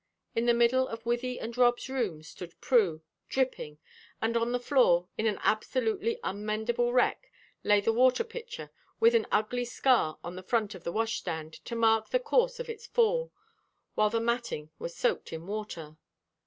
In the middle of Wythie and Rob's room stood Prue, dripping, and on the floor, in an absolutely unmendable wreck, lay the water pitcher, with an ugly scar on the front of the wash stand to mark the course of its fall, while the matting was soaked in water.